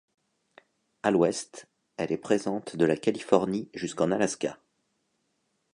À l'ouest, elle est présente de la Californie jusqu'en Alaska.